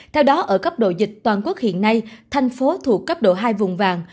theo đó ở cấp độ dịch toàn quốc hiện nay tp hcm thuộc cấp độ hai vùng vàng